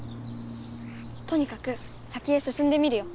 とにかく先へすすんでみるよ。